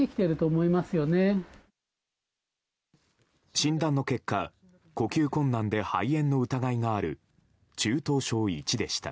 診断の結果呼吸困難で肺炎の疑いがある中等症１でした。